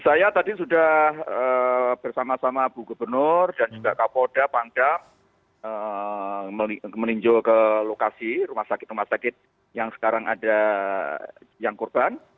saya tadi sudah bersama sama bu gubernur dan juga kapolda pangdam meninjau ke lokasi rumah sakit rumah sakit yang sekarang ada yang korban